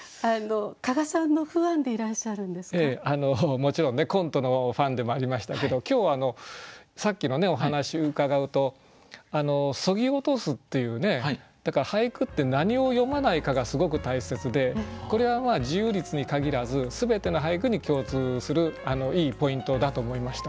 もちろんねコントのファンでもありましたけど今日さっきのお話伺うとそぎ落とすっていうね俳句って何を詠まないかがすごく大切でこれは自由律に限らず全ての俳句に共通するいいポイントだと思いました。